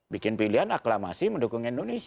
bikin pilihan aklamasi mendukung indonesia